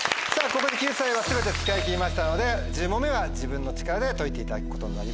ここで救済は全て使い切りましたので１０問目は自分の力で解いていただくことになります。